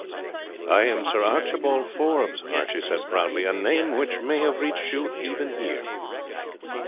"I am Sir Archibald Forbes," Archie said proudly "a name which may have reached you even here."